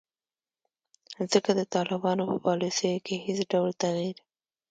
ځکه د طالبانو په پالیسیو کې هیڅ ډول تغیر